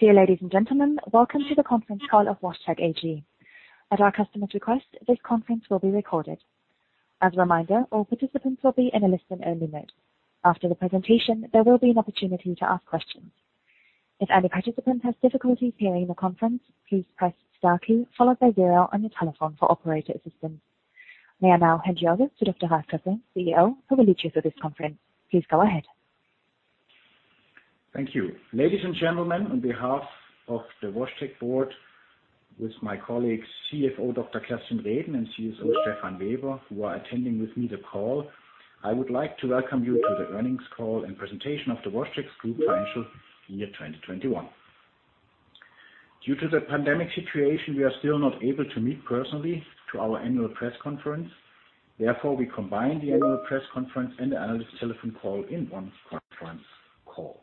Dear ladies and gentlemen, welcome to the conference call of WashTec AG. At our customer's request, this conference will be recorded. As a reminder, all participants will be in a listen-only mode. After the presentation, there will be an opportunity to ask questions. If any participant has difficulties hearing the conference, please press star key followed by zero on your telephone for operator assistance. I now hand you over to Dr. Ralf Koeppe, CEO, who will lead you through this conference. Please go ahead. Thank you. Ladies and gentlemen, on behalf of the WashTec board with my colleagues, CFO Dr. Kerstin Reden and CSO Stephan Weber, who are attending with me the call. I would like to welcome you to the earnings call and presentation of the WashTec's group financial year 2021. Due to the pandemic situation, we are still not able to meet personally to our annual press conference. Therefore, we combine the annual press conference and the analyst telephone call in one conference call.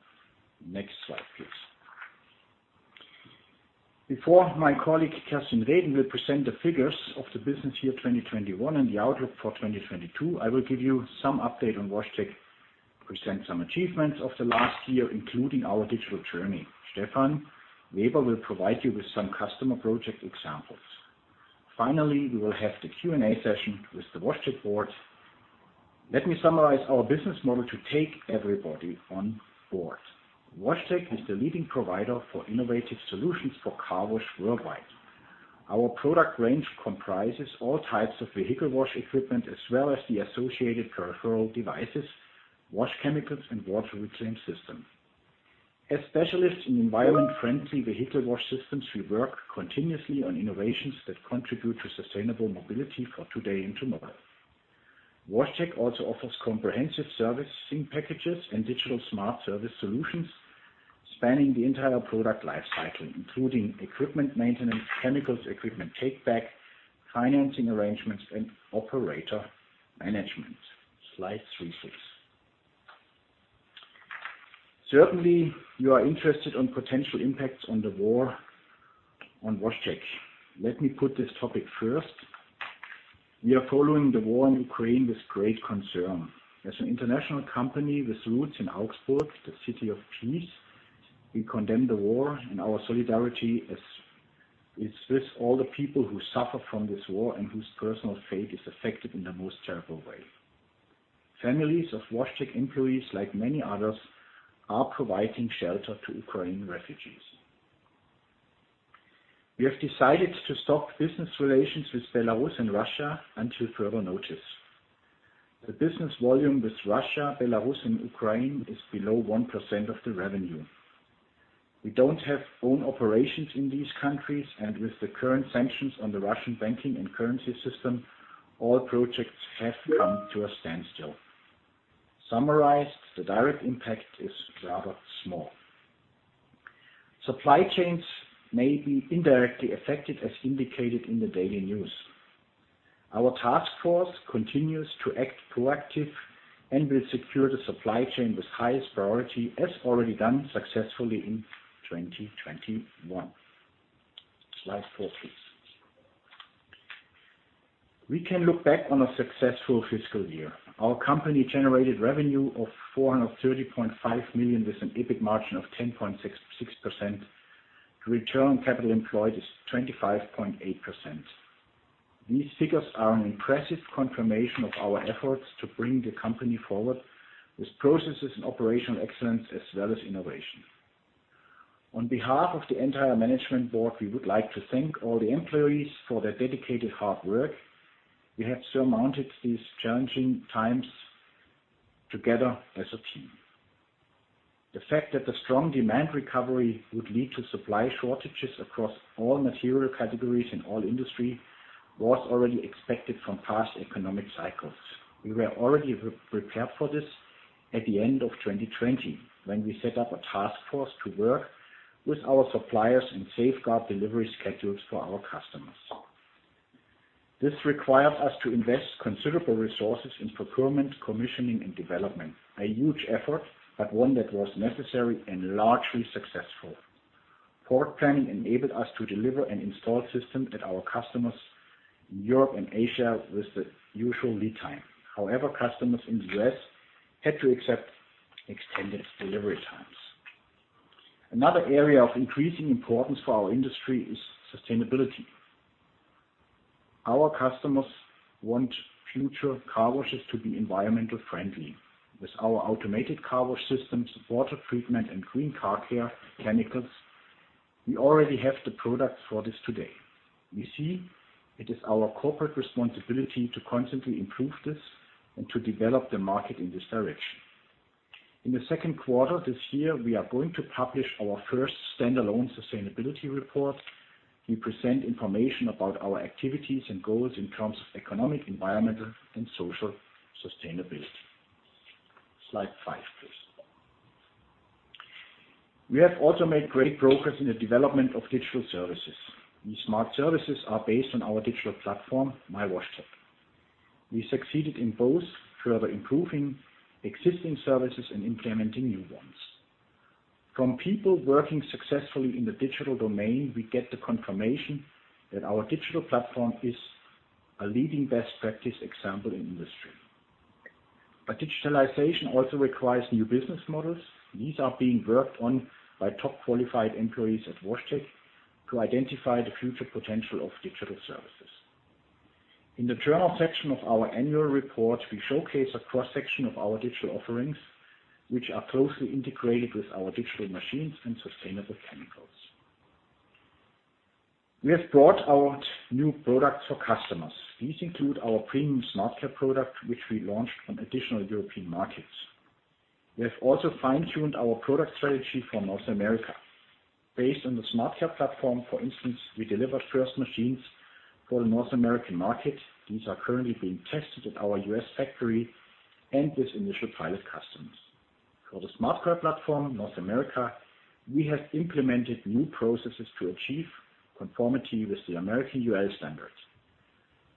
Next slide, please. Before my colleague, Kerstin Reden, will present the figures of the business year 2021 and the outlook for 2022, I will give you some update on WashTec, present some achievements of the last year, including our digital journey. Stephan Weber will provide you with some customer project examples. Finally, we will have the Q&A session with the WashTec board. Let me summarize our business model to take everybody on board. WashTec is the leading provider for innovative solutions for car wash worldwide. Our product range comprises all types of vehicle wash equipment, as well as the associated peripheral devices, wash chemicals, and water reclaim systems. As specialists in environment-friendly vehicle wash systems, we work continuously on innovations that contribute to sustainable mobility for today and tomorrow. WashTec also offers comprehensive servicing packages and digital smart service solutions spanning the entire product life cycle, including equipment maintenance, chemicals, equipment take back, financing arrangements, and operator management. Slide three, please. Certainly, you are interested in potential impacts of the war on WashTec. Let me put this topic first. We are following the war in Ukraine with great concern. As an international company with roots in Augsburg, the city of peace, we condemn the war, and our solidarity is with all the people who suffer from this war and whose personal fate is affected in the most terrible way. Families of WashTec employees, like many others, are providing shelter to Ukrainian refugees. We have decided to stop business relations with Belarus and Russia until further notice. The business volume with Russia, Belarus, and Ukraine is below 1% of the revenue. We don't have own operations in these countries, and with the current sanctions on the Russian banking and currency system, all projects have come to a standstill. Summarized, the direct impact is rather small. Supply chains may be indirectly affected as indicated in the daily news. Our task force continues to act proactive and will secure the supply chain with highest priority as already done successfully in 2021. Slide four, please. We can look back on a successful fiscal year. Our company generated revenue of 430.5 million, with an EBIT margin of 10.66%. The return on capital employed is 25.8%. These figures are an impressive confirmation of our efforts to bring the company forward with processes and operational excellence as well as innovation. On behalf of the entire Management Board, we would like to thank all the employees for their dedicated hard work. We have surmounted these challenging times together as a team. The fact that the strong demand recovery would lead to supply shortages across all material categories in all industries was already expected from past economic cycles. We were already prepared for this at the end of 2020 when we set up a task force to work with our suppliers and safeguard delivery schedules for our customers. This required us to invest considerable resources in procurement, commissioning, and development. A huge effort, but one that was necessary and largely successful. Part planning enabled us to deliver an installed system at our customers in Europe and Asia with the usual lead time. However, customers in the U.S. had to accept extended delivery times. Another area of increasing importance for our industry is sustainability. Our customers want future car washes to be environmentally friendly. With our automated car wash systems, water treatment, and Green Car Care chemicals, we already have the products for this today. We see it is our corporate responsibility to constantly improve this and to develop the market in this direction. In the second quarter this year, we are going to publish our first standalone sustainability report. We present information about our activities and goals in terms of economic, environmental, and social sustainability. Slide five, please. We have also made great progress in the development of digital services. These smart services are based on our digital platform, mywashtec.com. We succeeded in both further improving existing services and implementing new ones. From people working successfully in the digital domain, we get the confirmation that our digital platform is a leading best practice example in industry. Digitalization also requires new business models. These are being worked on by top qualified employees at WashTec to identify the future potential of digital services. In the journal section of our annual report, we showcase a cross-section of our digital offerings, which are closely integrated with our digital machines and sustainable chemicals. We have brought out new products for customers. These include our premium SmartCare product, which we launched on additional European markets. We have also fine-tuned our product strategy for North America. Based on the SmartCare platform, for instance, we delivered first machines for the North American market. These are currently being tested at our U.S. factory and with initial pilot customers. For the SmartCare platform North America, we have implemented new processes to achieve conformity with the American UL standards.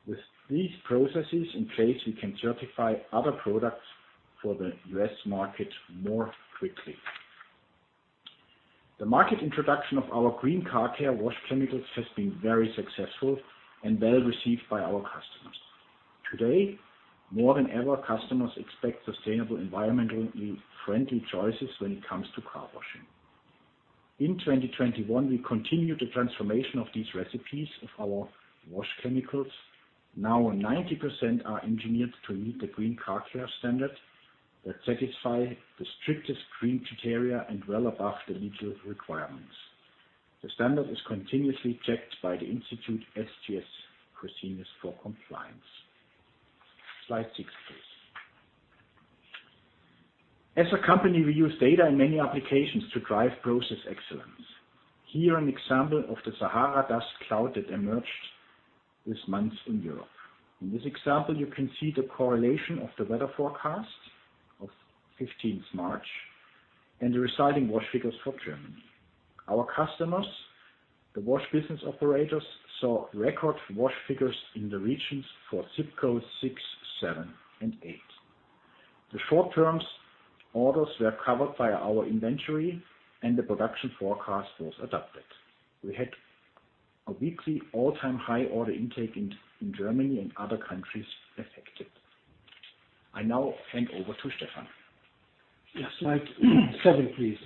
With these processes in place, we can certify other products for the U.S. market more quickly. The market introduction of our Green Car Care wash chemicals has been very successful and well received by our customers. Today, more than ever, customers expect sustainable, environmentally friendly choices when it comes to car washing. In 2021, we continued the transformation of these recipes of our wash chemicals. 90% are engineered to meet the Green Car Care standard that satisfy the strictest green criteria and well above the legal requirements. The standard is continuously checked by the institute SGS procedures for compliance. Slide 6, please. As a company, we use data in many applications to drive process excellence. Here, an example of the Sahara dust cloud that emerged this month in Europe. In this example, you can see the correlation of the weather forecast of 15 March and the resulting wash figures for Germany. Our customers, the wash business operators, saw record wash figures in the regions for zip code 6, 7 and 8. The short-term orders were covered by our inventory and the production forecast was adapted. We had a weekly all-time high order intake in Germany and other countries affected. I now hand over to Stephan. Yeah. Slide seven, please.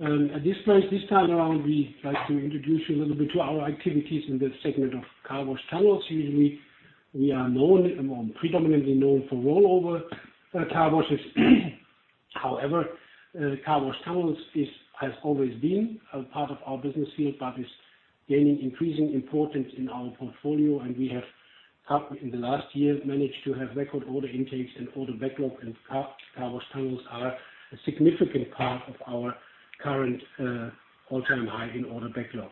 At this place, this time around, we like to introduce you a little bit to our activities in the segment of car wash tunnels. Usually, we are predominantly known for rollover car washes. However, car wash tunnels has always been a part of our business field, but is gaining increasing importance in our portfolio, and we have, in the last year, managed to have record order intakes and order backlog, and car wash tunnels are a significant part of our current, all-time high in order backlog.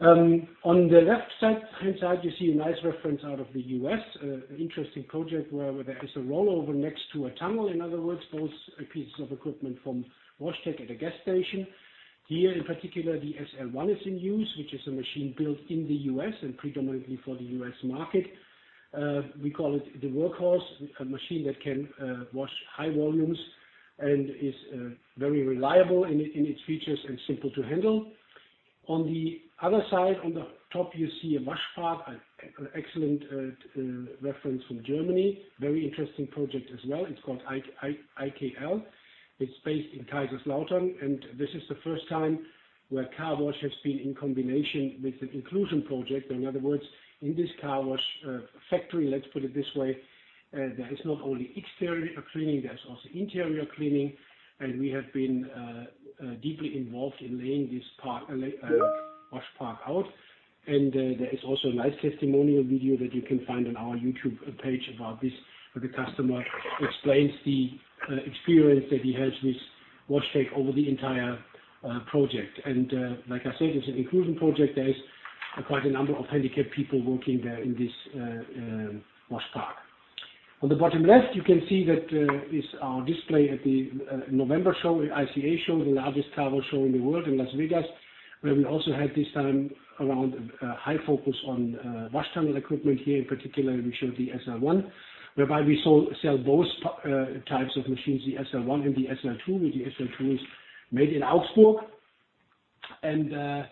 On the left-hand side, you see a nice reference out of the U.S., an interesting project where there is a rollover next to a tunnel. In other words, both pieces of equipment from WashTec at a gas station. Here, in particular, the SL1 is in use, which is a machine built in the U.S. and predominantly for the U.S. market. We call it the workhorse, a machine that can wash high volumes and is very reliable in its features and simple to handle. On the other side, on the top, you see a Waschpark, an excellent reference from Germany. Very interesting project as well. It's called IKL. It's based in Kaiserslautern, and this is the first time where car wash has been in combination with an inclusion project. In other words, in this car wash factory, let's put it this way, there is not only exterior cleaning, there's also interior cleaning, and we have been deeply involved in laying this Waschpark out. There is also a nice testimonial video that you can find on our YouTube page about this, where the customer explains the experience that he has with WashTec over the entire project. Like I said, it's an inclusion project. There is quite a number of handicapped people working there in this wash park. On the bottom left, you can see that is our display at the November show, the ICA show, the largest car wash show in the world in Las Vegas, where we also had this time around high focus on wash tunnel equipment here. In particular, we showed the SL-1, whereby we sold, sell both types of machines, the SL-1 and the SL-2, where the SL-2 is made in Augsburg and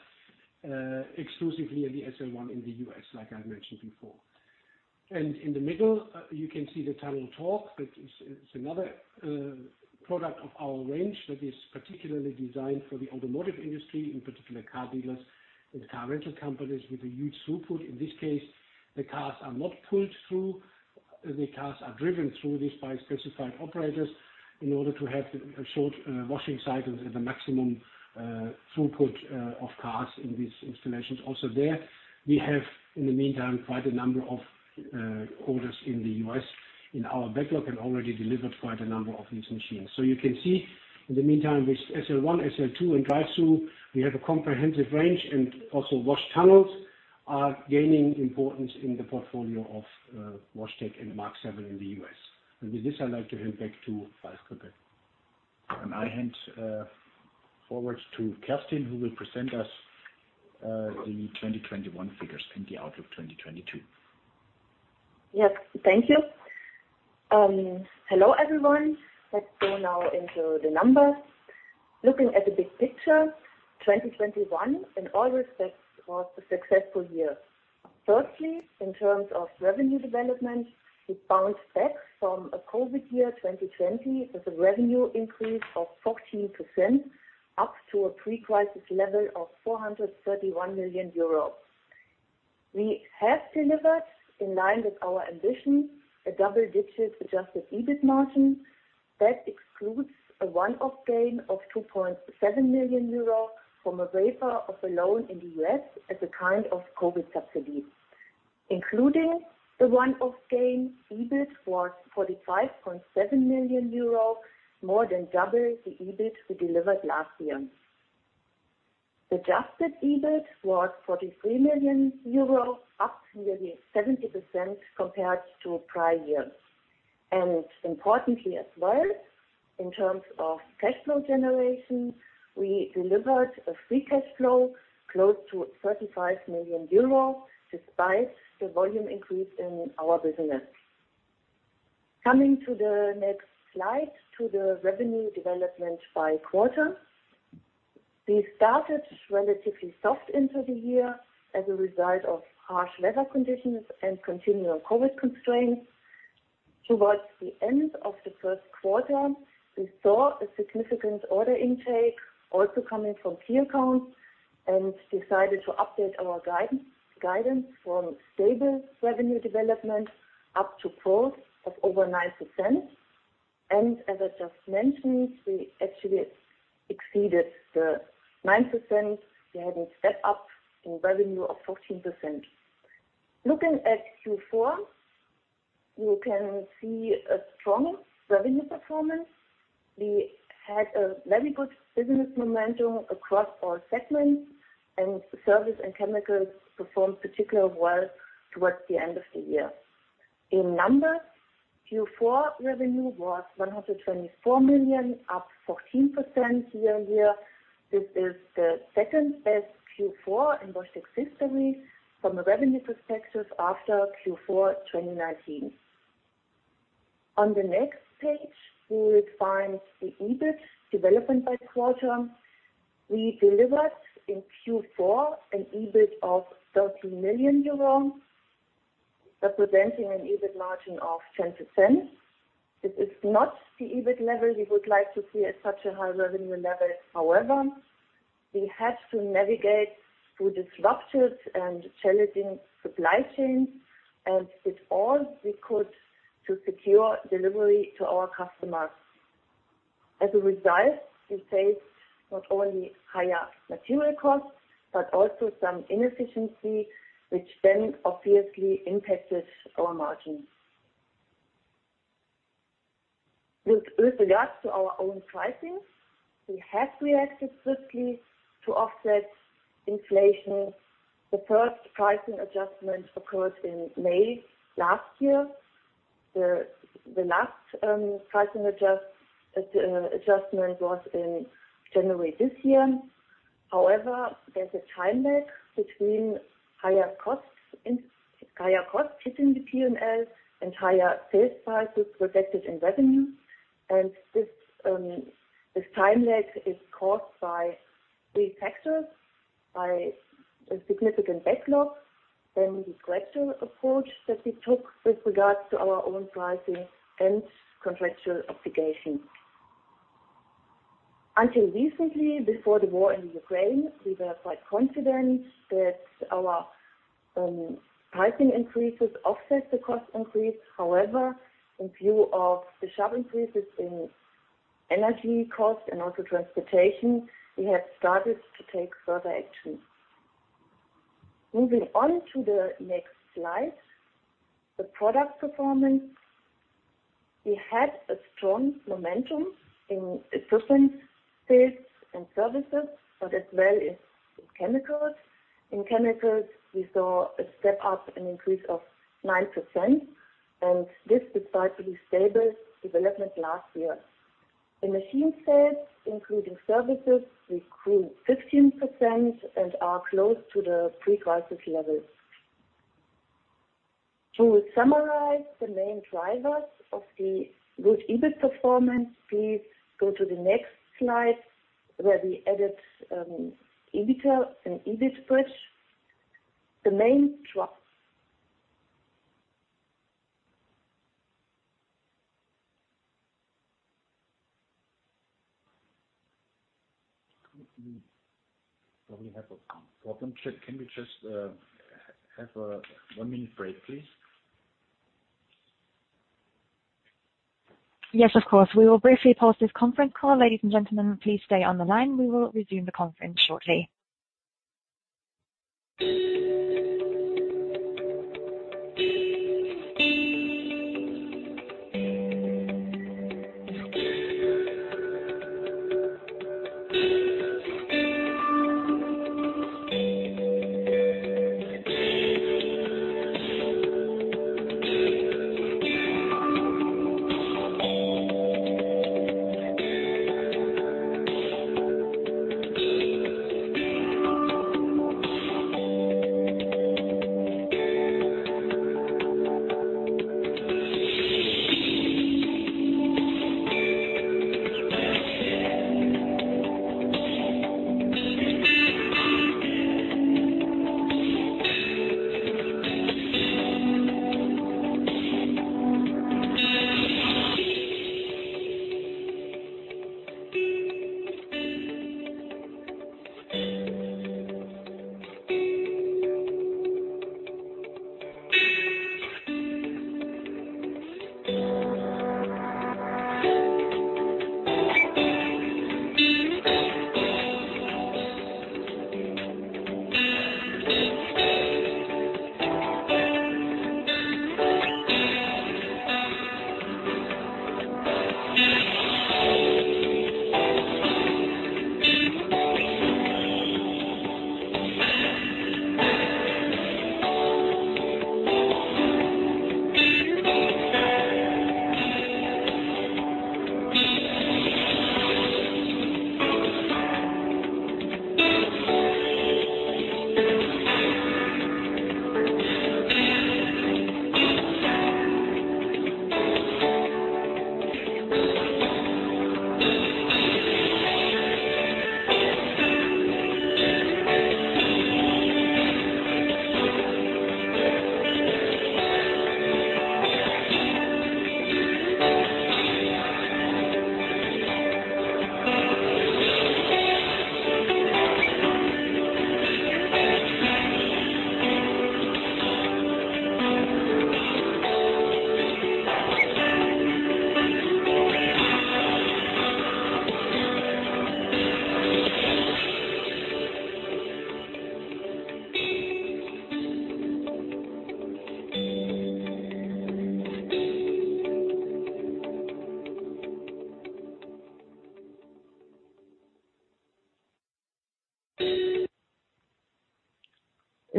exclusively the SL-1 in the U.S., like I mentioned before. In the middle, you can see the TunnelTec. That is, it's another product of our range that is particularly designed for the automotive industry, in particular car dealers and car rental companies with a huge throughput. In this case, the cars are not pulled through. The cars are driven through this by specified operators in order to have short washing cycles and the maximum throughput of cars in these installations. Also there we have, in the meantime, quite a number of orders in the U.S. in our backlog and already delivered quite a number of these machines. You can see in the meantime, with SL1, SL2 and Drive-Thru, we have a comprehensive range, and also wash tunnels are gaining importance in the portfolio of WashTec and Mark VII in the U.S. With this, I'd like to hand back to Dr. Ralf Koepe. I hand over to Kerstin, who will present to us the 2021 figures and the outlook 2022. Yes. Thank you. Hello, everyone. Let's go now into the numbers. Looking at the big picture, 2021 in all respects was a successful year. Firstly, in terms of revenue development, we bounced back from a COVID year, 2020, with a revenue increase of 14% up to a pre-crisis level of 431 million euros. We have delivered in line with our ambition, a double digits adjusted EBIT margin that excludes a one-off gain of 2.7 million euro from a waiver of a loan in the U.S. as a kind of COVID subsidy. Including the one-off gain, EBIT was 45.7 million euro, more than double the EBIT we delivered last year. Adjusted EBIT was 43 million euros, up nearly 70% compared to prior year. Importantly as well, in terms of cash flow generation, we delivered a free cash flow close to 35 million euro despite the volume increase in our business. Coming to the next slide to the revenue development by quarter. We started relatively soft into the year as a result of harsh weather conditions and continuing COVID constraints. Towards the end of the first quarter, we saw a significant order intake also coming from key accounts and decided to update our guidance from stable revenue development up to growth of over 9%. As I just mentioned, we actually exceeded the 9%. We had a step up in revenue of 14%. Looking at Q4, you can see a strong revenue performance. We had a very good business momentum across all segments and service and chemicals performed particularly well towards the end of the year. In numbers, Q4 revenue was 124 million, up 14% year-on-year. This is the second-best Q4 in WashTec history from a revenue perspective after Q4 2019. On the next page, we will find the EBIT development by quarter. We delivered in Q4 an EBIT of 13 million euros, representing an EBIT margin of 10%. This is not the EBIT level we would like to see at such a high revenue level. However, we had to navigate through disrupted and challenging supply chains and did all we could to secure delivery to our customers. As a result, we faced not only higher material costs, but also some inefficiency, which then obviously impacted our margins. With regards to our own pricing, we have reacted quickly to offset inflation. The first pricing adjustment occurred in May last year. The last pricing adjustment was in January this year. However, there's a time lag between higher costs hitting the P&L and higher sales prices reflected in revenue. This time lag is caused by three factors. By a significant backlog, then the gradual approach that we took with regards to our own pricing and contractual obligations. Until recently, before the war in Ukraine, we were quite confident that our pricing increases offset the cost increase. However, in view of the sharp increases in energy costs and also transportation, we have started to take further action. Moving on to the next slide. The product performance. We had a strong momentum in assistance sales and services, but as well in chemicals. In chemicals, we saw a step up and increase of 9%, and this despite the stable development last year. In machine sales, including services, we grew 15% and are close to the pre-crisis levels. To summarize the main drivers of the good EBIT performance, please go to the next slide where we added EBITDA and EBIT bridge. We have a problem. Can we just have a one-minute break, please? Yes, of course. We will briefly pause this conference call. Ladies and gentlemen, please stay on the line. We will resume the conference shortly.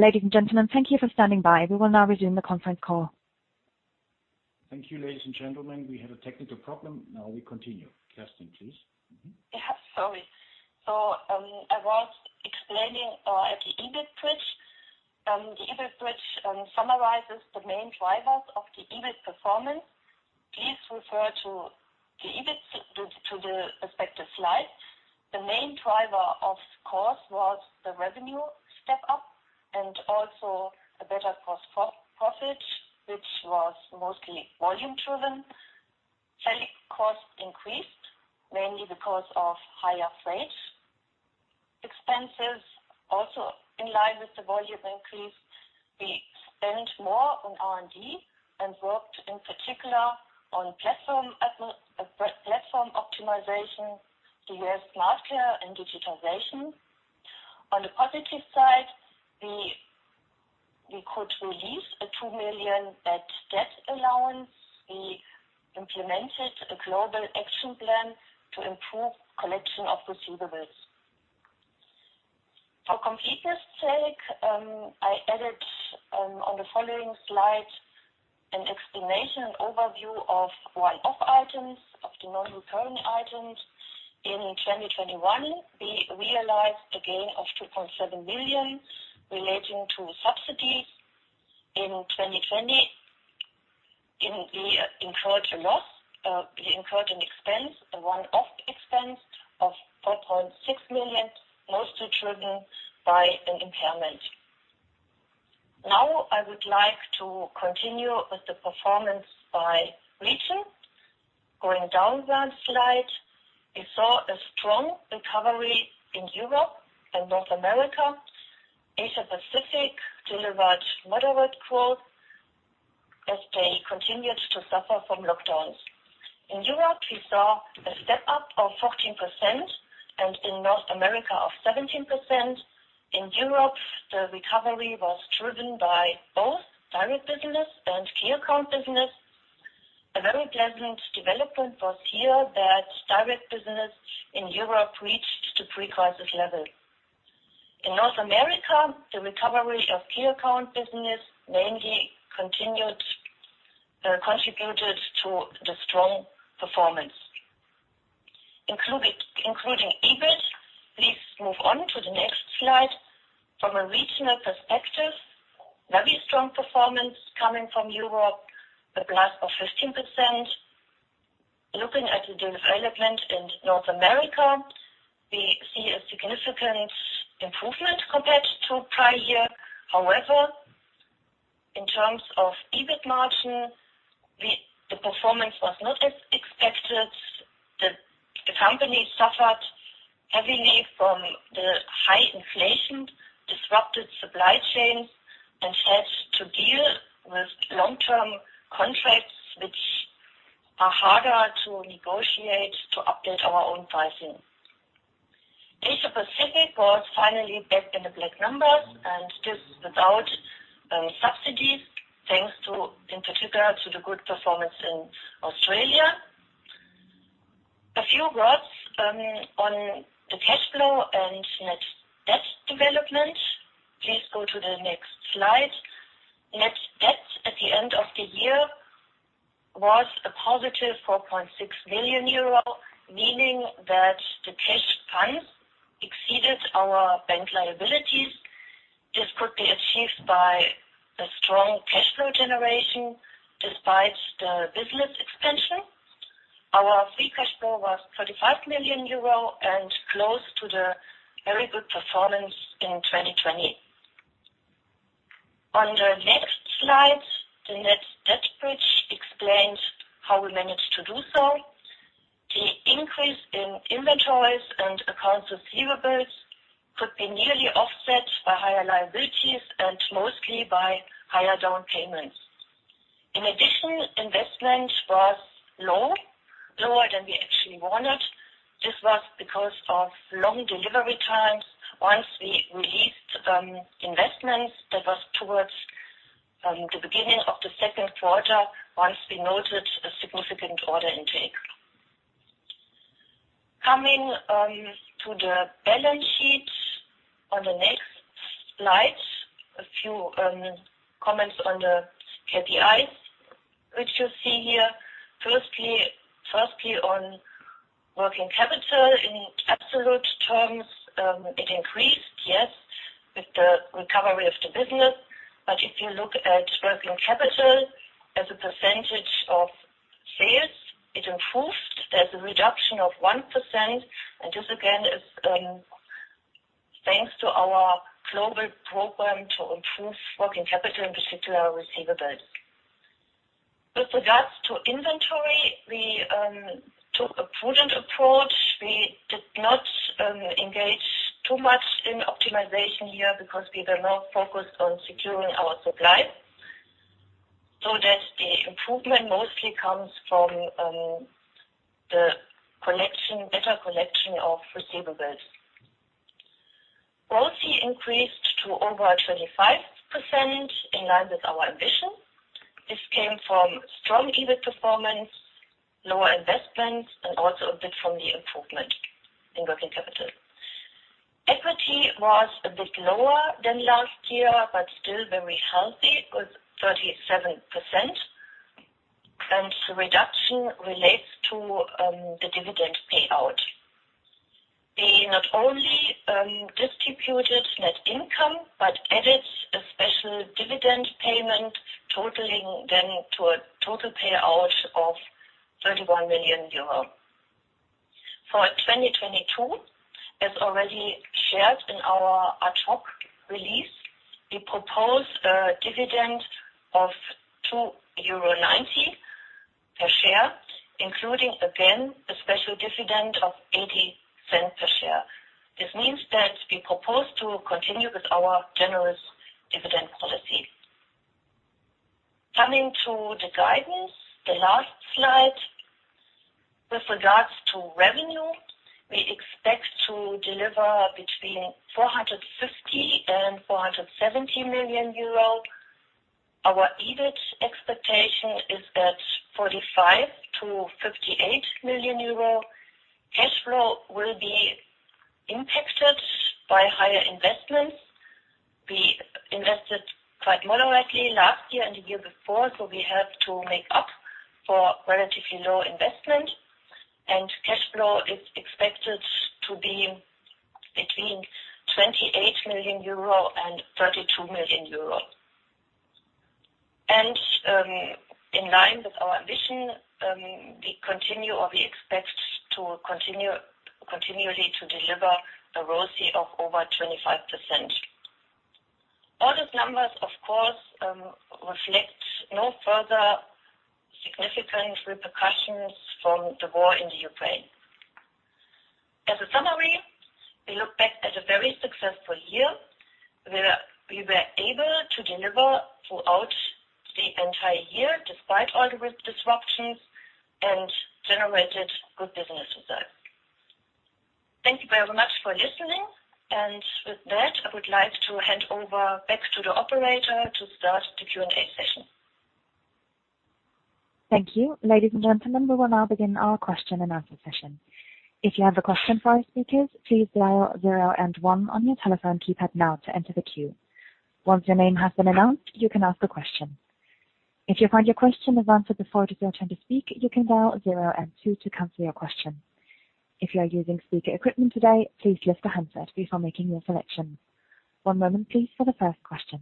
Ladies and gentlemen, thank you for standing by. We will now resume the conference call. Thank you, ladies and gentlemen. We had a technical problem. Now we continue. Kerstin, please. Yeah, sorry. I was explaining the EBIT bridge. The EBIT bridge summarizes the main drivers of the EBIT performance. Please refer to the respective slide. The main driver, of course, was the revenue step up and also a better gross profit, which was mostly volume-driven. Selling cost increased, mainly because of higher freight. Expenses also in line with the volume increase. We spent more on R&D and worked in particular on platform optimization to use SmartCare and digitization. On the positive side, we could release a 2 million bad debt allowance. We implemented a global action plan to improve collection of receivables. For completeness' sake, I added on the following slide an explanation, overview of one-off items, of the non-recurring items. In 2021, we realized a gain of 2.7 million relating to subsidies. In 2020, we incurred an expense, a one-off expense of 4.6 million, mostly driven by an impairment. Now, I would like to continue with the performance by region. Going down that slide, we saw a strong recovery in Europe and North America. Asia-Pacific delivered moderate growth as they continued to suffer from lockdowns. In Europe, we saw a step up of 14% and in North America of 17%. In Europe, the recovery was driven by both direct business and key account business. A very pleasant development was here that direct business in Europe reached to pre-crisis level. In North America, the recovery of key account business mainly contributed to the strong performance. Including EBIT, please move on to the next slide. From a regional perspective, very strong performance coming from Europe, a plus of 15%. Looking at the development in North America, we see a significant improvement compared to prior year. However, in terms of EBIT margin, the performance was not as expected. The company suffered heavily from the high inflation, disrupted supply chains, and had to deal with long-term contracts, which are harder to negotiate to update our own pricing. Asia-Pacific was finally back in the black numbers, and this without subsidies, thanks to, in particular, the good performance in Australia. A few words on the cash flow and net debt development. Please go to the next slide. Net debt at the end of the year was a positive 4.6 million euro, meaning that the cash funds our bank liabilities is quickly achieved by a strong cash flow generation despite the business expansion. Our free cash flow was 35 million euro and close to the very good performance in 2020. On the next slide, the net debt bridge explains how we managed to do so. The increase in inventories and accounts receivables could be nearly offset by higher liabilities and mostly by higher down payments. In addition, investment was low, lower than we actually wanted. This was because of long delivery times. Once we released investments, that was towards the beginning of the second quarter, once we noted a significant order intake. Coming to the balance sheet on the next slide, a few comments on the KPIs which you see here. Firstly, on working capital in absolute terms, it increased, yes, with the recovery of the business. If you look at working capital as a percentage of sales, it improved. There's a reduction of 1%, and this again is thanks to our global program to improve working capital, in particular receivables. With regards to inventory, we took a prudent approach. We did not engage too much in optimization here because we were more focused on securing our supply, so that the improvement mostly comes from better collection of receivables. ROCE increased to over 25% in line with our ambition. This came from strong EBIT performance, lower investments, and also a bit from the improvement in working capital. Equity was a bit lower than last year, but still very healthy with 37%, and the reduction relates to the dividend payout. We not only distributed net income but added a special dividend payment totaling then to a total payout of 31 million euro. For 2022, as already shared in our ad hoc release, we propose a dividend of 2.90 euro per share, including again a special dividend of 0.80 per share. This means that we propose to continue with our generous dividend policy. Coming to the guidance, the last slide. With regards to revenue, we expect to deliver between 450 million and 470 million euro. Our EBIT expectation is at 45 million-58 million euro. Cash flow will be impacted by higher investments. We invested quite moderately last year and the year before, so we have to make up for relatively low investment, and cash flow is expected to be between 28 million euro and 32 million euro. In line with our ambition, we expect to continue continually to deliver a ROCE of over 25%. All these numbers, of course, reflect no further significant repercussions from the war in the Ukraine. As a summary, we look back at a very successful year, where we were able to deliver throughout the entire year despite all the risk disruptions and generated good business results. Thank you very much for listening. With that, I would like to hand over back to the operator to start the Q&A session. Thank you. Ladies and gentlemen, we will now begin our question and answer session. If you have a question for our speakers, please dial 0 and 1 on your telephone keypad now to enter the queue. Once your name has been announced, you can ask a question. If you find your question is answered before it is your turn to speak, you can dial 0 and 2 to cancel your question. If you are using speaker equipment today, please lift the handset before making your selection. One moment, please, for the first question.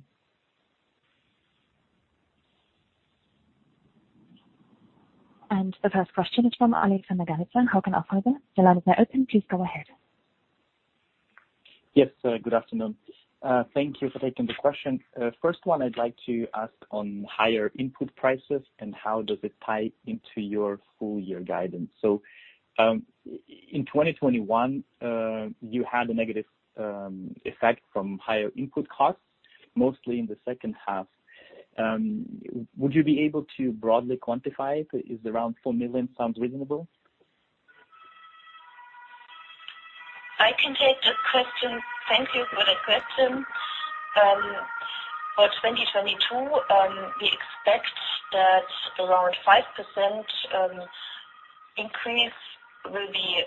The first question is from Alexander Mees from Berenberg. Your line is now open. Please go ahead. Yes, good afternoon. Thank you for taking the question. First one I'd like to ask on higher input prices and how does it tie into your full year guidance. In 2021, you had a negative effect from higher input costs, mostly in the second half. Would you be able to broadly quantify it? Is around 4 million sounds reasonable? I can take the question. Thank you for the question. For 2022, we expect that around 5% increase will be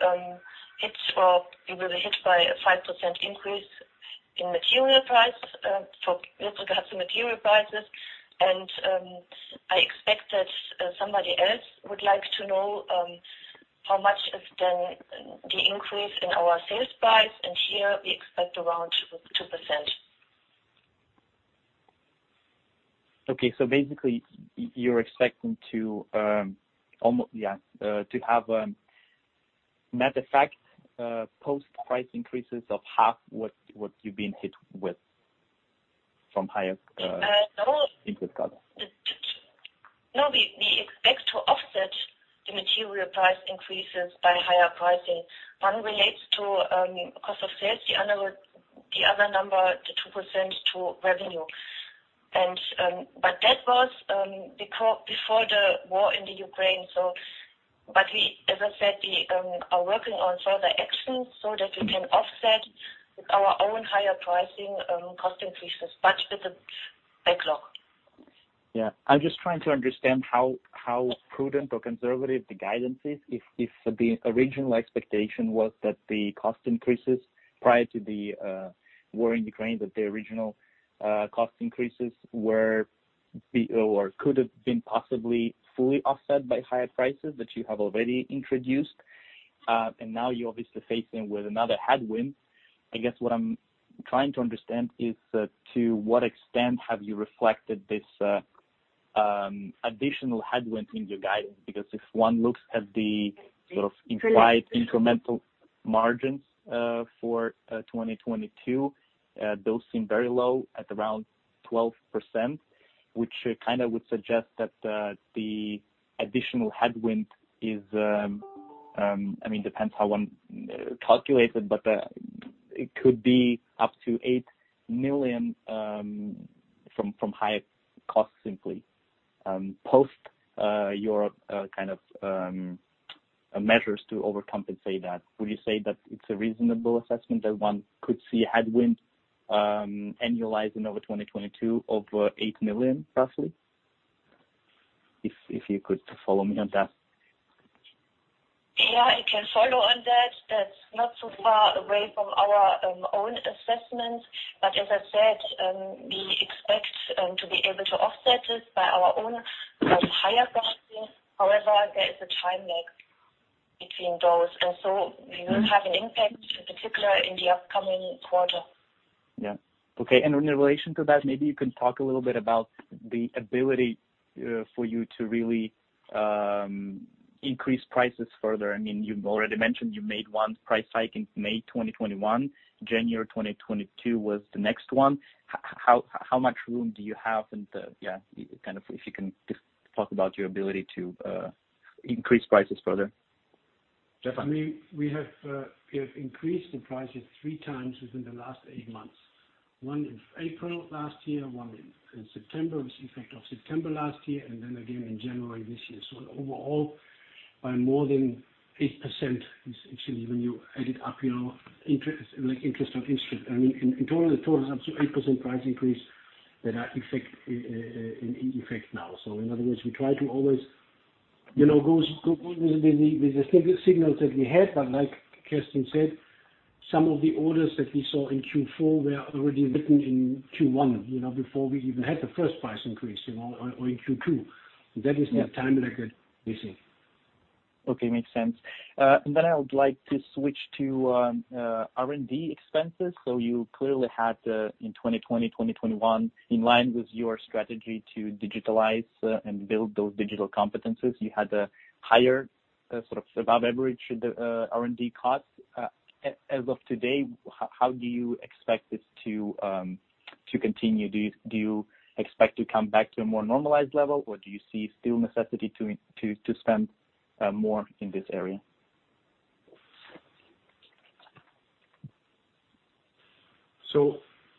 hit or we will be hit by a 5% increase in material price with regards to material prices. I expect that somebody else would like to know how much is then the increase in our sales price, and here we expect around 2%. Basically you're expecting to have, matter of fact, post price increases of half what you've been hit with from higher. No. Input costs. No, we expect to offset the material price increases by higher pricing. One relates to cost of sales, the other number, the 2% to revenue. But that was before the war in Ukraine, so, but we, as I said, are working on further actions so that we can offset with our own higher pricing, cost increases, but with the backlog. Yeah. I'm just trying to understand how prudent or conservative the guidance is if the original expectation was that the cost increases prior to the war in Ukraine could have been possibly fully offset by higher prices that you have already introduced. Now you're obviously faced with another headwind. I guess what I'm trying to understand is to what extent have you reflected this additional headwind in your guidance. Because if one looks at the sort of implied incremental margins for 2022, those seem very low at around 12%, which kind of would suggest that the additional headwind is. I mean, depends how one calculates it, but it could be up to 8 million from higher costs simply post your kind of measures to overcompensate that. Would you say that it's a reasonable assessment that one could see a headwind annualizing over 2022 over 8 million, roughly? If you could follow me on that. Yeah, I can follow on that. That's not too far away from our own assessment. As I said, we expect to be able to offset this by our own higher pricing. However, there is a time lag between those. We will have an impact, in particular in the upcoming quarter. Yeah. Okay. In relation to that, maybe you can talk a little bit about the ability for you to really increase prices further. I mean, you've already mentioned you made one price hike in May 2021, January 2022 was the next one. How much room do you have in the? Yeah, kind of if you can just talk about your ability to increase prices further. Jeff? I mean, we have increased the prices three times within the last eight months. One in April last year, one in September, it was effective September last year, and then again in January this year. Overall, by more than 8% is actually when you added up your interest, like interest on interest. I mean, in total, it totals up to 8% price increase that are in effect now. In other words, we try to always, you know, go with the signals that we have. Like Kerstin said, some of the orders that we saw in Q4 were already written in Q1, you know, before we even had the first price increase, you know, or in Q2. That is the time lag that we see. Okay, makes sense. I would like to switch to R&D expenses. You clearly had in 2020, 2021, in line with your strategy to digitalize and build those digital competencies, you had a higher sort of above average R&D cost. As of today, how do you expect this to continue? Do you expect to come back to a more normalized level, or do you see still necessity to spend more in this area?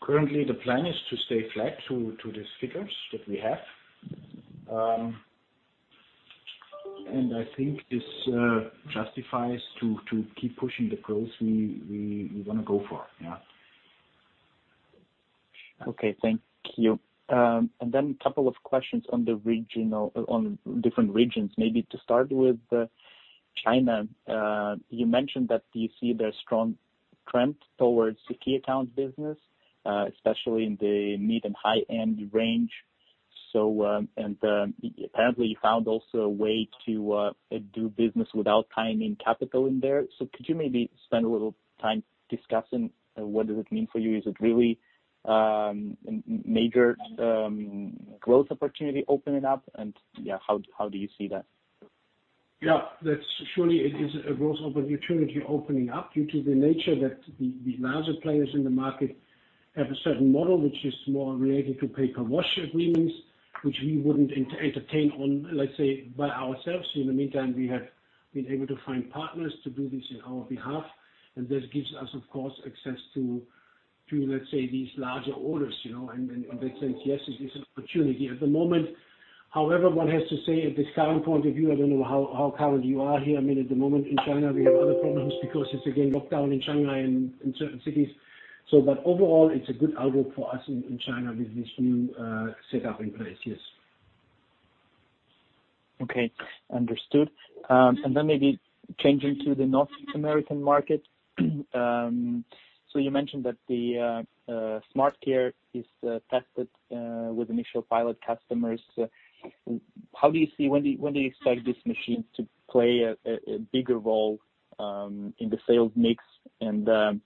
Currently, the plan is to stay flat to these figures that we have. I think this justifies to keep pushing the growth we wanna go for. Yeah. Okay. Thank you. A couple of questions on different regions. Maybe to start with, China. You mentioned that you see there's strong trend towards the key account business, especially in the mid and high-end range. Apparently you found also a way to do business without tying in capital in there. Could you maybe spend a little time discussing what does it mean for you? Is it really major growth opportunity opening up? Yeah, how do you see that? Yeah. That's surely it is a growth opportunity opening up due to the nature that the larger players in the market have a certain model which is more related to pay per wash agreements, which we wouldn't entertain on, let's say, by ourselves. In the meantime, we have been able to find partners to do this in our behalf, and this gives us, of course, access to, let's say, these larger orders, you know? In that sense, yes, it is an opportunity. At the moment, however, one has to say at this current point of view, I don't know how current you are here. I mean, at the moment in China, we have other problems because it's again lockdown in China in certain cities. But overall, it's a good outlook for us in China with this new setup in place. Yes. Okay. Understood. Maybe changing to the North American market. You mentioned that the SmartCare is tested with initial pilot customers. When do you expect these machines to play a bigger role in the sales mix? That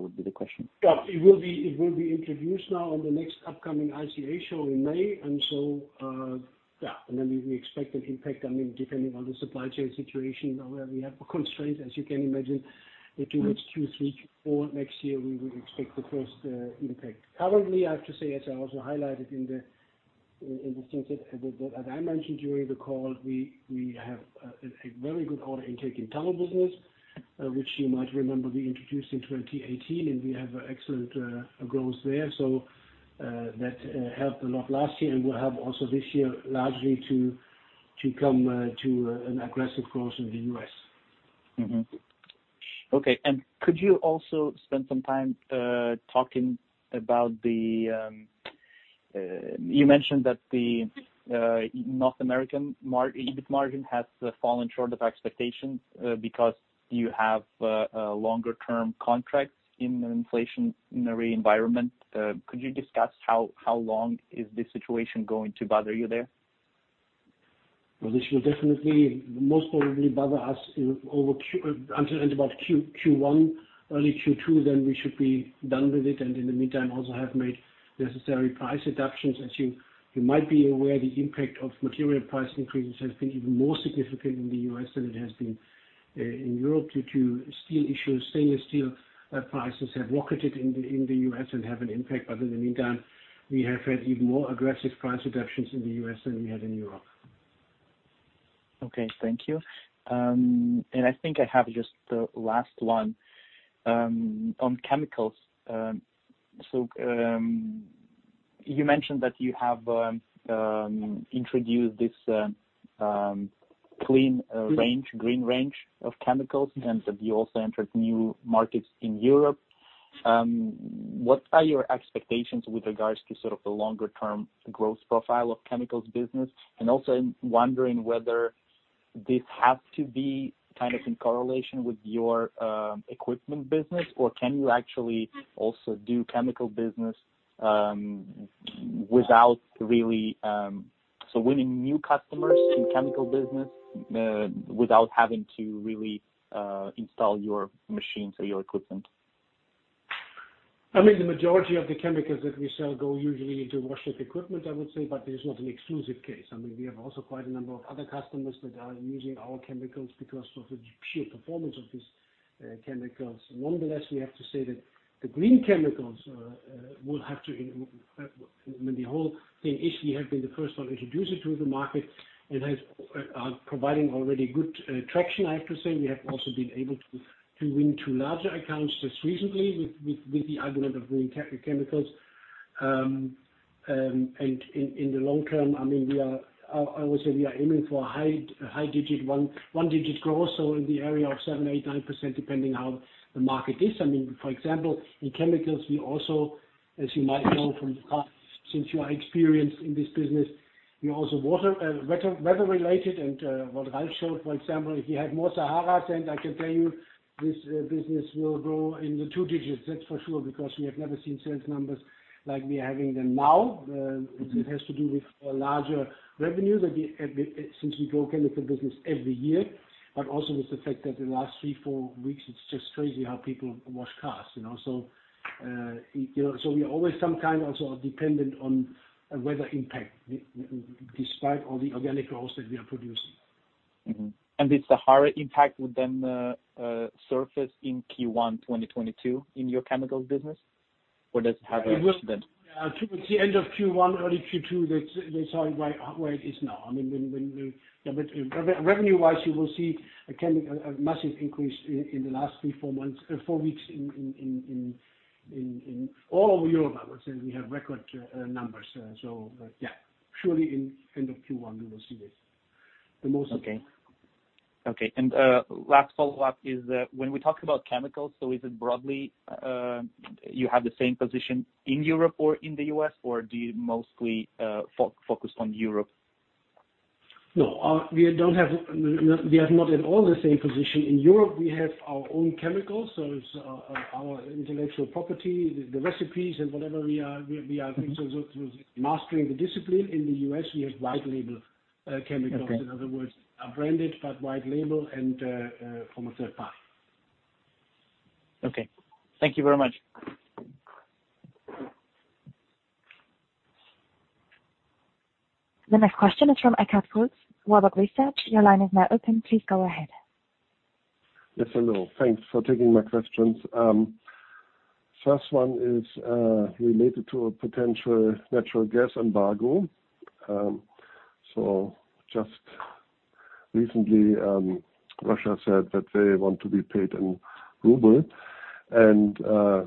would be the question. Yeah. It will be introduced now on the next upcoming ICA show in May. We expect an impact, I mean, depending on the supply chain situation, now where we have constraints, as you can imagine, between Q3, Q4 next year we would expect the first impact. Currently, I have to say, as I also highlighted in the sense that I mentioned during the call, we have a very good order intake in tunnel business, which you might remember we introduced in 2018, and we have excellent growth there. That helped a lot last year and will help also this year largely to come to an aggressive growth in the U.S. Mm-hmm. Okay. Could you also spend some time talking about, you mentioned that the North American EBIT margin has fallen short of expectations, because you have longer term contracts in an inflationary environment. Could you discuss how long is this situation going to bother you there? Well, this will definitely most probably bother us until about Q1, early Q2, then we should be done with it. In the meantime also have made necessary price adaptations. As you might be aware, the impact of material price increases has been even more significant in the U.S. than it has been in Europe due to steel issues. Stainless steel prices have rocketed in the U.S. and have an impact. In the meantime, we have had even more aggressive price increases in the U.S. than we had in Europe. Okay. Thank you. I think I have just the last one on chemicals. You mentioned that you have introduced this green range of chemicals, and that you also entered new markets in Europe. What are your expectations with regards to sort of the longer term growth profile of chemicals business? Also I'm wondering whether this has to be kind of in correlation with your equipment business, or can you actually also do chemical business without really so winning new customers in chemical business without having to really install your machines or your equipment? I mean, the majority of the chemicals that we sell go usually into wash equipment, I would say, but it's not an exclusive case. I mean, we have also quite a number of other customers that are using our chemicals because of the sheer performance of these chemicals. Nonetheless, we have to say that the green chemicals will have to, I mean, the whole thing is we have been the first one to introduce it to the market and are providing already good traction, I have to say. We have also been able to to win two larger accounts just recently with the argument of green chemicals. In the long term, I mean, I would say we are aiming for high single-digit growth, so in the area of 7%-9%, depending how the market is. I mean, for example, in chemicals, we also, as you might know from the past, since you are experienced in this business, we also weather-related and what Ralf showed, for example, if you had more Saharas, and I can tell you this, business will grow in the two digits, that's for sure, because we have never seen sales numbers like we're having them now. It has to do with larger revenues that we have since we grow chemical business every year, but also with the fact that the last three to four weeks, it's just crazy how people wash cars, you know? You know, we are always sometimes also dependent on weather impact, despite all the organic growth that we are producing. This Sahara impact would then surface in Q1 2022 in your chemicals business? Or does it have a- It would- Delay then? Yeah. Towards the end of Q1, early Q2, that's how it is now. I mean. Yeah, but revenue-wise, you will see a massive increase in the last three, four months, four weeks in all over Europe, I would say. We have record numbers. So, yeah. Surely at the end of Q1, we will see this. The most- Okay. Last follow-up is, when we talk about chemicals, so is it broadly, you have the same position in Europe or in the US, or do you mostly focus on Europe? No. We have not at all the same position. In Europe, we have our own chemicals, so it's our intellectual property, the recipes and whatever we are, I think, so-so mastering the discipline. In the U.S., we have white label chemicals. Okay. In other words, branded, but white label and from a third party. Okay. Thank you very much. The next question is from Egbert KuleszaYes, hello. Thanks for taking my questions. First one is related to a potential natural gas embargo. Just recently, Russia said that they want to be paid in ruble. To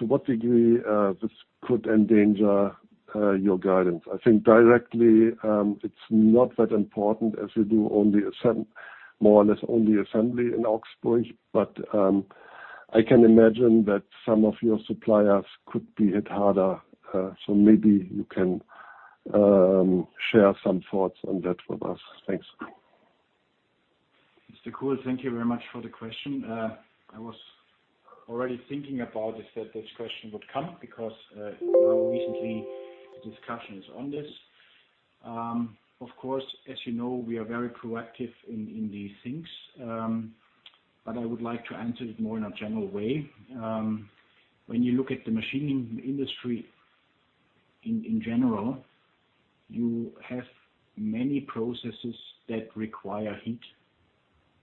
what degree this could endanger your guidance? I think directly, it's not that important as we do more or less only assembly in Augsburg. I can imagine that some of your suppliers could be hit harder. Maybe you can share some thoughts on that with us. Thanks.Mr.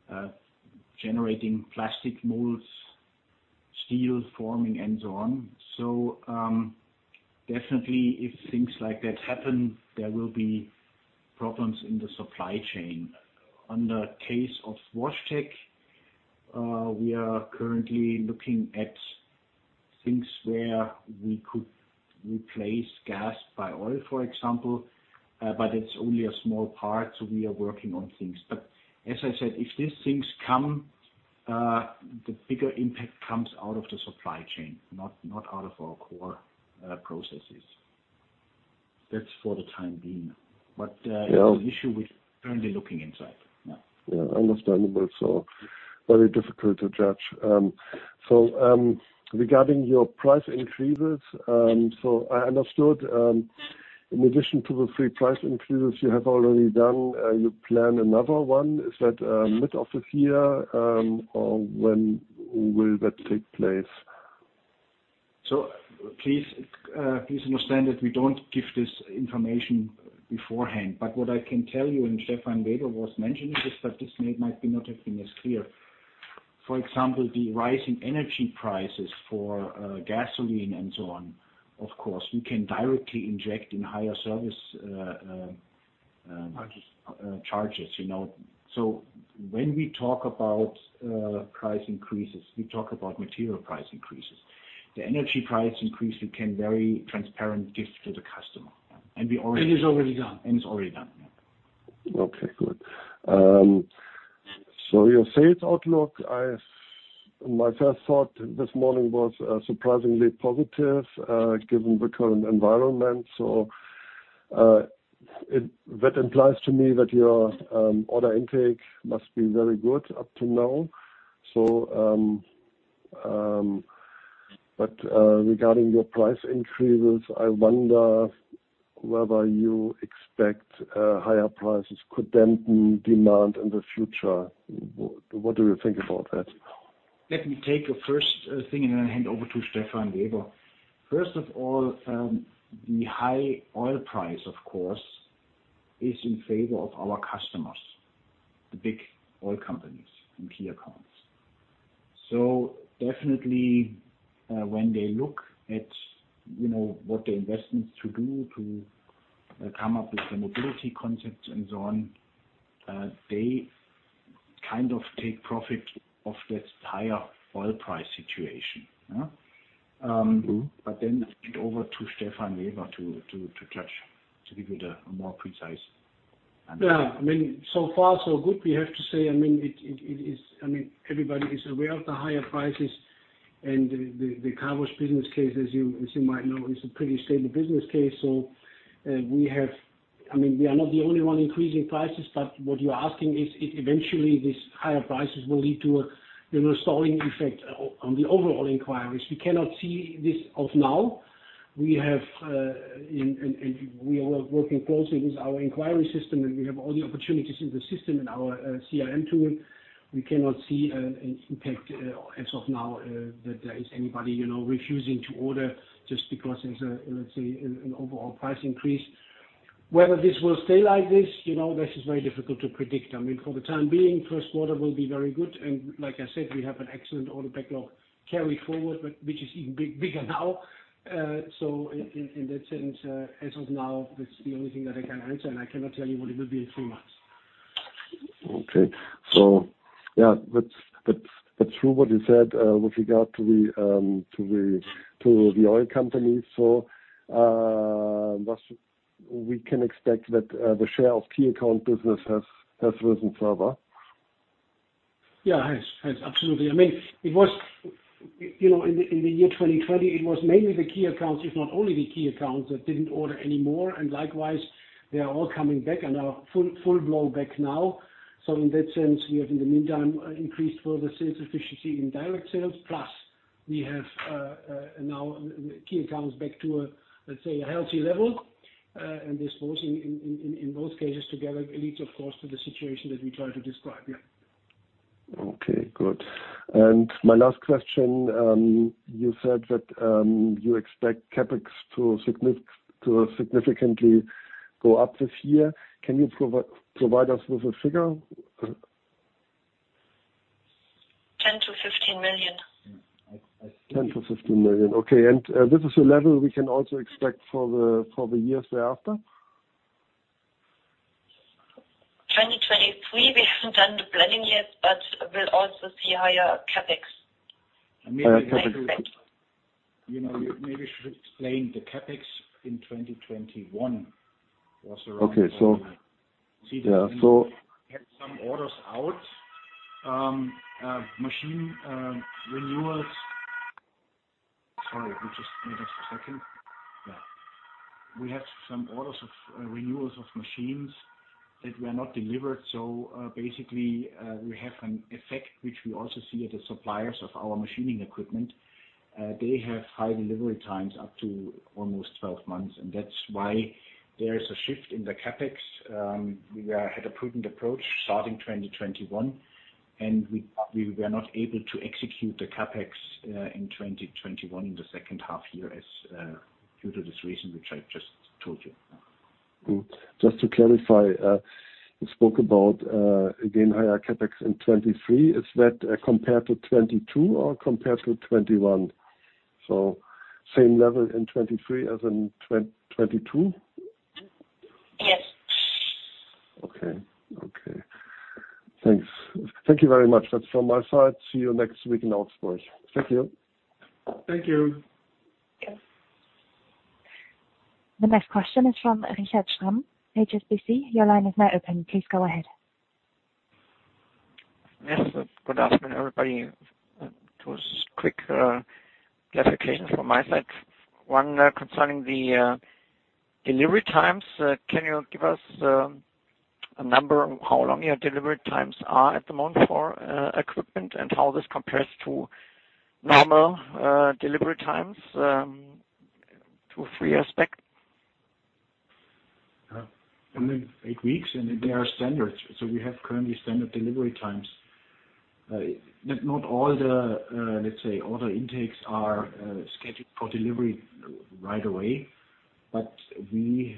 Kulesza As I said, if these things come, the bigger impact comes out of the supply chain, not out of our core processes. That's for the time being. Yeah. The issue we're currently looking into. Yeah. Yeah. Understandable. Very difficult to judge. Regarding your price increases, I understood, in addition to the three price increases you have already done, you plan another one. Is that mid of this year, or when will that take place? Please understand that we don't give this information beforehand. What I can tell you, and Stephan Weber was mentioning this, but this might not have been as clear. For example, the rising energy prices for gasoline and so on, of course, we can directly inject in higher service Charges. -charges, you know. When we talk about price increases, we talk about material price increases. The energy price increase we can very transparent give to the customer. We already- It's already done. It's already done. Yeah. Okay, good. Your sales outlook, my first thought this morning was surprisingly positive, given the current environment. That implies to me that your order intake must be very good up to now. Regarding your price increases, I wonder whether you expect higher prices could dampen demand in the future. What do you think about that? Let me take the first thing and then hand over to Stephan Weber. First of all, the high oil price, of course, is in favor of our customers, the big oil companies and key accounts. Definitely, when they look at, you know, what the investments to do to come up with the mobility concepts and so on, they kind of take profit of this higher oil price situation. Mm-hmm. I hand over to Stephan Weber to give you a more precise answer. Yeah. I mean, so far so good, we have to say. I mean, it is. I mean, everybody is aware of the higher prices and the car wash business case, as you might know, is a pretty stable business case. We are not the only one increasing prices, but what you're asking is eventually these higher prices will lead to a, you know, a stalling effect on the overall inquiries. We cannot see this as of now. We have and we are working closely with our inquiry system, and we have all the opportunities in the system in our CRM tool. We cannot see an impact as of now that there is anybody, you know, refusing to order just because there's a, let's say, an overall price increase. Whether this will stay like this, you know, this is very difficult to predict. I mean, for the time being, first quarter will be very good. Like I said, we have an excellent order backlog carried forward, but which is even bigger now. So in that sense, as of now, that's the only thing that I can answer, and I cannot tell you what it will be in three months. Okay. Yeah, that's true what you said, with regard to the oil companies. We can expect that the share of key account business has risen further. Absolutely. I mean, you know, in the year 2020, it was mainly the key accounts, if not only the key accounts, that didn't order anymore. Likewise, they are all coming back and are full-blown back now. In that sense, we have in the meantime increased further sales efficiency in direct sales. Plus we have now key accounts back to a, let's say, a healthy level. And this both in both cases together, it leads of course to the situation that we try to describe. Yeah. Okay, good. My last question, you said that you expect CapEx to significantly go up this year. Can you provide us with a figure? 10 million-15 million. 10 million-15 million. Okay. This is a level we can also expect for the years thereafter? 2023, we haven't done the planning yet, but we'll also see higher CapEx. I mean. I expect You know, you maybe should explain the CapEx in 2021 was around. Okay. See the- Yeah. We have some orders of renewals of machines that were not delivered. Basically, we have an effect, which we also see at the suppliers of our machining equipment. They have high delivery times, up to almost 12 months, and that's why there is a shift in the CapEx. We had a prudent approach starting 2021, and we were not able to execute the CapEx in 2021 in the second half year, as due to this reason which I just told you. Just to clarify, you spoke about, again, higher CapEx in 2023. Is that compared to 2022 or compared to 2021? Same level in 2023 as in 2022? Yes. Okay. Thanks. Thank you very much. That's from my side. See you next week in Augsburg. Thank you. Thank you. Yes. The next question is from Richard Schramm, HSBC. Your line is now open. Please go ahead. Yes. Good afternoon, everybody. Two quick clarifications from my side. One, concerning the delivery times. Can you give us a number of how long your delivery times are at the moment for equipment and how this compares to normal delivery times two, three years back? Eight weeks, and they are standard. We have currently standard delivery times. Not all the, let's say, order intakes are scheduled for delivery right away, but we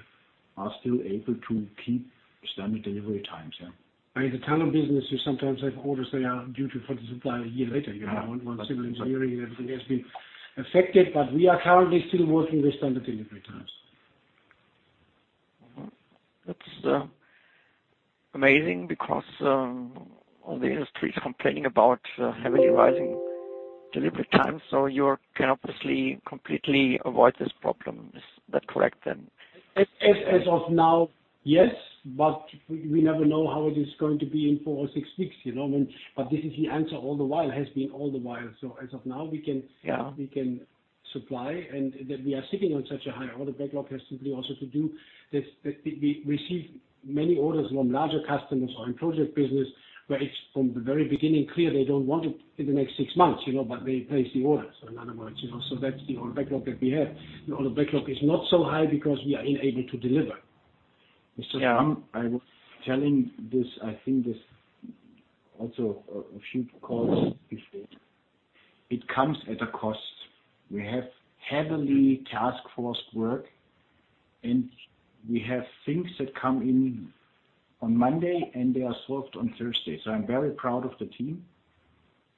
are still able to keep standard delivery times, yeah. The kind of business you sometimes have orders, they are due for the supply a year later, you know. One, civil engineering, has been affected, but we are currently still working with standard delivery times. Mm-hmm. That's amazing because all the industry is complaining about heavily rising delivery time. You can obviously completely avoid this problem. Is that correct then? As of now, yes. We never know how it is going to be in four or six weeks, you know. This is the answer all the while, has been all the while. As of now, we can- Yeah. We can supply. That we are sitting on such a high order backlog has simply also to do with that we receive many orders from larger customers or in project business, where it's from the very beginning clear they don't want it in the next six months, you know, but they place the orders. In other words, you know, so that's the order backlog that we have. The order backlog is not so high because we are unable to deliver. Yeah. Mr. Schramm, I was telling this, I think this also a few calls before. It comes at a cost. We have heavily task forced work, and we have things that come in on Monday, and they are solved on Thursday. I'm very proud of the team,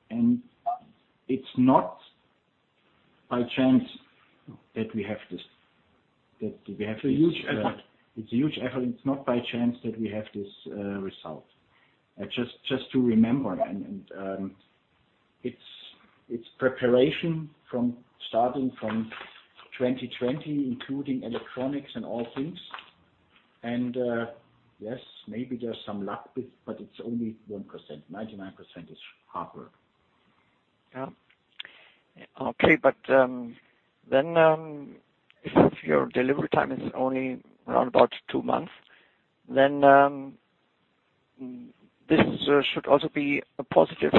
and it's not by chance that we have this. It's a huge effort. It's a huge effort. It's not by chance that we have this result. Just to remember that. It's preparation from starting from 2020, including electronics and all things. Yes, maybe there's some luck but it's only 1%. 99% is hard work. If your delivery time is only around about two months, then this should also be a positive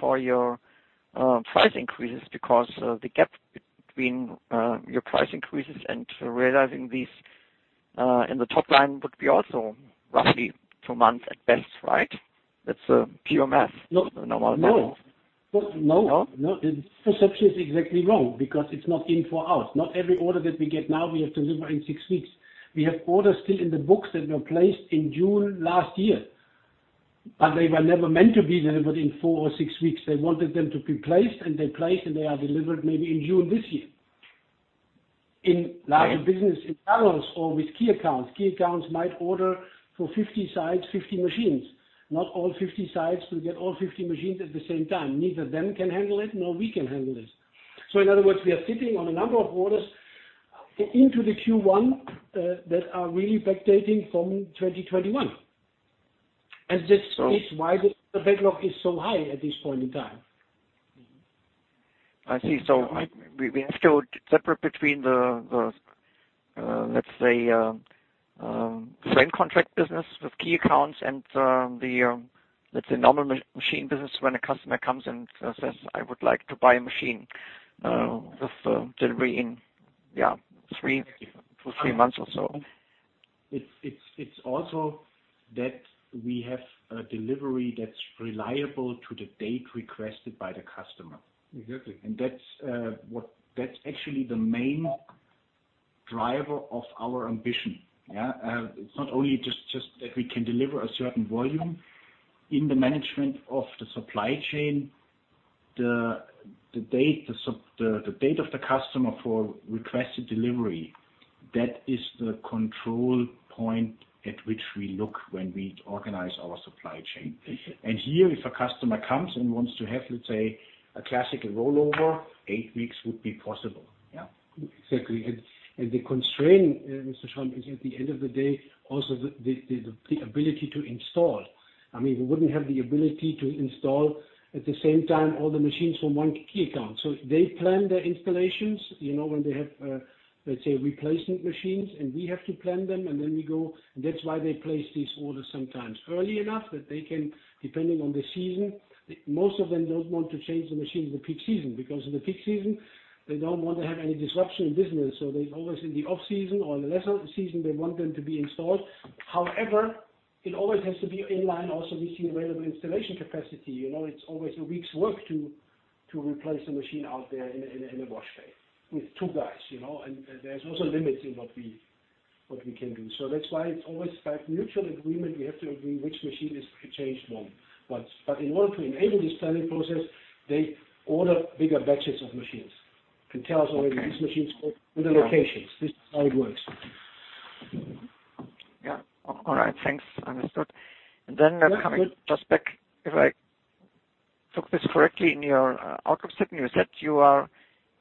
for your price increases because the gap between your price increases and realizing these in the top line would be also roughly two months at best, right? That's pure math. No. Normal math. No. No? No. The perception is exactly wrong because it's not in for out. Not every order that we get now we have to deliver in six weeks. We have orders still in the books that were placed in June last year, but they were never meant to be delivered in four or six weeks. They wanted them to be placed, and they're placed, and they are delivered maybe in June this year. In large business, in parallels or with key accounts. Key accounts might order for 50 sites, 50 machines. Not all 50 sites will get all 50 machines at the same time. Neither them can handle it, nor we can handle it. So in other words, we are sitting on a number of orders into the Q1 that are really dating back from 2021. This is why the backlog is so high at this point in time. I see. We have to separate between the let's say frame contract business with key accounts and the let's say normal machine business when a customer comes and says, "I would like to buy a machine," with delivery in yeah three to three months or so. It's also that we have a delivery that's reliable to the date requested by the customer. Exactly. That's actually the main driver of our ambition. Yeah. It's not only just that we can deliver a certain volume. In the management of the supply chain, the date of the customer for requested delivery. That is the control point at which we look when we organize our supply chain. Here, if a customer comes and wants to have, let's say, a classical rollover, eight weeks would be possible. Yeah. Exactly. The constraint, Mr. Schramm, is at the end of the day, also the ability to install. I mean, we wouldn't have the ability to install at the same time all the machines from one key account. They plan their installations, you know, when they have, let's say, replacement machines, and we have to plan them, and then we go. That's why they place these orders sometimes early enough that they can, depending on the season. Most of them don't want to change the machines in peak season, because in the peak season, they don't want to have any disruption in business. They always in the off-season or in the lesser season, they want them to be installed. However, it always has to be in line also with the available installation capacity. You know, it's always a week's work to replace a machine out there in a wash bay with two guys, you know. There's also limits in what we can do. That's why it's always by mutual agreement, we have to agree which machine is to be changed when. In order to enable this planning process, they order bigger batches of machines and tell us already these machines go with the locations. This is how it works. Yeah. All right, thanks. Understood. Coming just back, if I took this correctly in your outlook statement, you said you are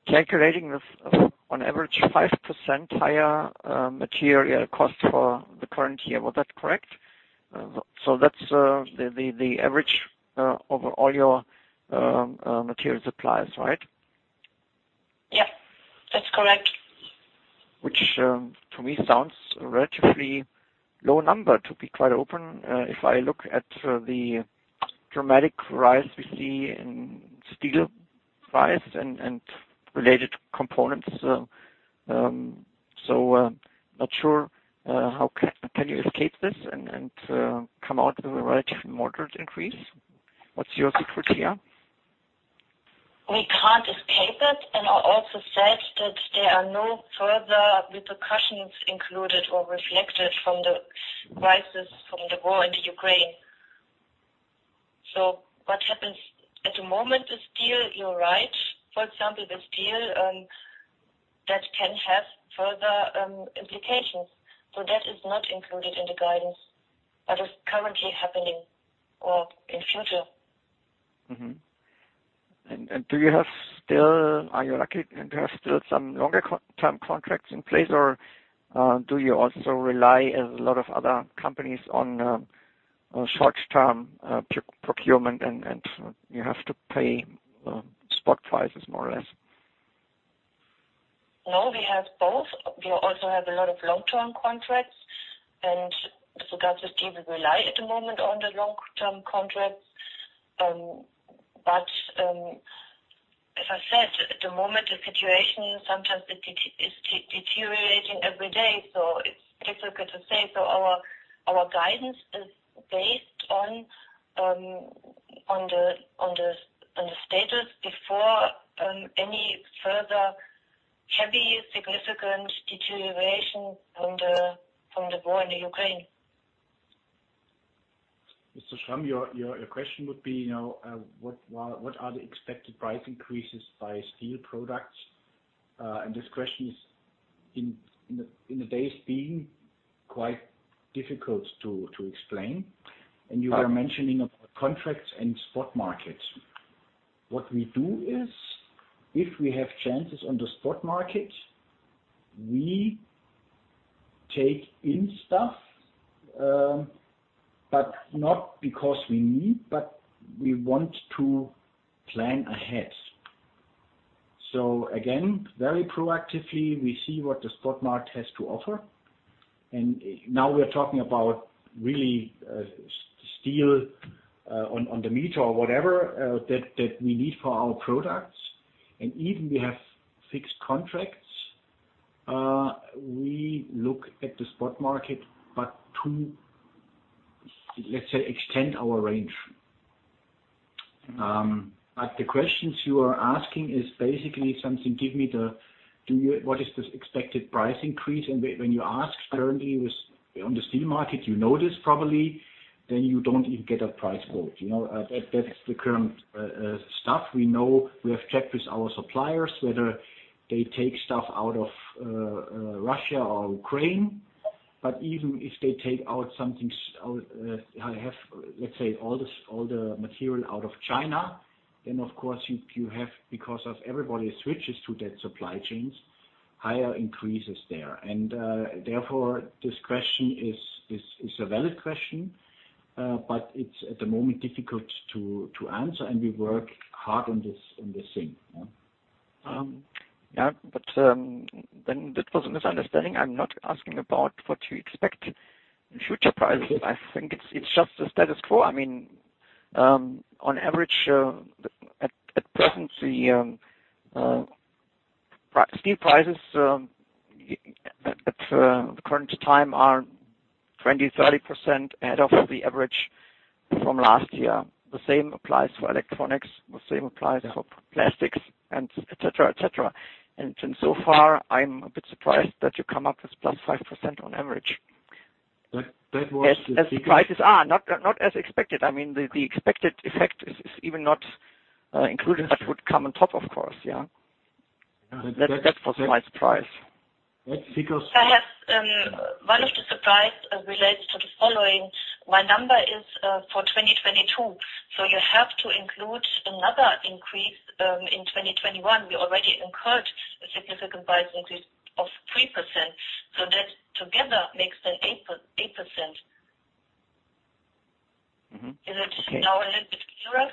calculating this on average 5% higher material cost for the current year. Was that correct? That's the average over all your material suppliers, right? Yeah, that's correct. Which, to me, sounds a relatively low number, to be quite open. If I look at the dramatic rise we see in steel price and related components. Not sure how can you escape this and come out with a relatively moderate increase? What's your secret here? We can't escape it. I also said that there are no further repercussions included or reflected from the crisis from the war in the Ukraine. What happens at the moment with steel, you're right. For example, the steel that can have further implications. That is not included in the guidance that is currently happening or in future. Mm-hmm. Are you lucky and you have still some longer-term contracts in place, or do you also rely, as a lot of other companies, on short-term procurement and you have to pay spot prices more or less? No, we have both. We also have a lot of long-term contracts. With regards to steel, we rely at the moment on the long-term contracts. As I said, at the moment, the situation sometimes is deteriorating every day, so it's difficult to say. Our guidance is based on the status before any further heavy significant deterioration from the war in Ukraine. Mr. Schramm, your question would be, you know, what are the expected price increases by steel products? This question is in the days being quite difficult to explain. You were mentioning about contracts and spot markets. What we do is, if we have chances on the spot market, we take in stuff, but not because we need, but we want to plan ahead. Very proactively, we see what the spot market has to offer. Now we are talking about really steel on the meter or whatever that we need for our products. Even we have fixed contracts, we look at the spot market, but to, let's say, extend our range. The questions you are asking is basically what is the expected price increase? When you ask currently on the steel market, you know this probably, then you don't even get a price quote, you know. That's the current stuff. We know we have checked with our suppliers whether they take stuff out of Russia or Ukraine. But even if they take something out, let's say all the material out of China, then of course you have, because everybody switches to that supply chains, higher increases there. Therefore this question is a valid question, but it's at the moment difficult to answer and we work hard on this thing. Yeah. That was a misunderstanding. I'm not asking about what you expect in future prices. I think it's just the status quo. I mean, on average, at present the steel prices, at the current time are 20-30% ahead of the average from last year. The same applies for electronics, the same applies for plastics and et cetera, et cetera. So far, I'm a bit surprised that you come up with plus 5% on average. That, that was the- As the prices are not as expected. I mean, the expected effect is not even included, but would come on top, of course, yeah. That's, that's- That was my surprise. That's because. I have one of the surprises relates to the following. My number is for 2022, so you have to include another increase in 2021. We already incurred a significant price increase of 3%, so that together makes an 8%. Mm-hmm. Is it now a little bit clearer?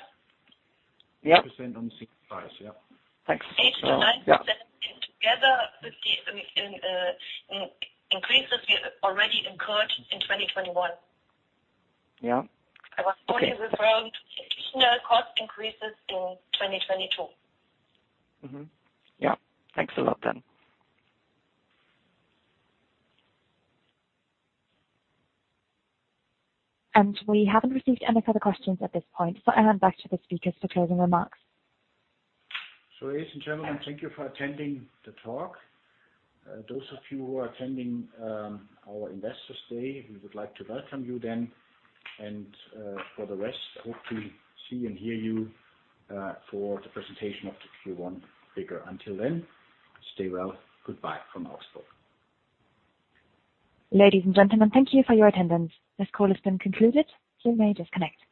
Yeah. 8% on steel price. Yeah. Thanks. 8%-9% and together with the increases we already incurred in 2021. Yeah. I was only referring to additional cost increases in 2022. Mm-hmm. Yeah. Thanks a lot then. We haven't received any further questions at this point. I hand back to the speakers for closing remarks. Ladies and gentlemen, thank you for attending the talk. Those of you who are attending our Investors Day, we would like to welcome you then. For the rest, hope to see and hear you for the presentation of the Q1 figure. Until then, stay well. Goodbye from Augsburg. Ladies and gentlemen, thank you for your attendance. This call has been concluded. You may disconnect.